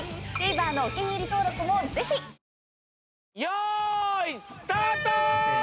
よーいスタート！